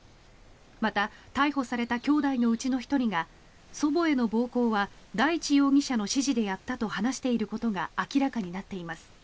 また、逮捕されたきょうだいのうちの１人が祖母への暴行は大地容疑者の指示でやったと話していることが明らかになっています。